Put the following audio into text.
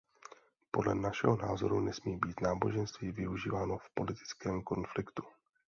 Podle našeho názoru nesmí být náboženství využíváno v politickém konfliktu.